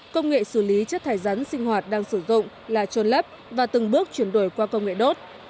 công nghệ xử lý chất thải rắn sinh hoạt đang sử dụng là trôn lấp và từng bước chuyển đổi qua công nghệ đốt